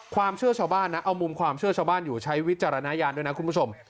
ความเชื่อชาวบ้านนะเอามุมความเชื่อชาวบ้านอยู่ใช้วิจารณญาณด้วยนะคุณผู้ชม